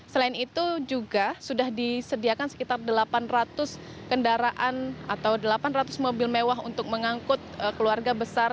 selain itu juga sudah disediakan sekitar delapan ratus kendaraan atau delapan ratus mobil mewah untuk mengangkut keluarga besar